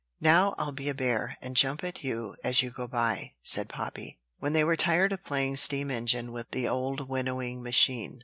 "Now I'll be a bear, and jump at you as you go by," said Poppy, when they were tired of playing steam engine with the old winnowing machine.